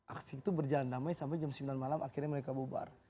aksi itu berjalan damai sampai jam sembilan malam akhirnya mereka bubar